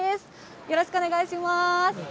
よろしくお願いします。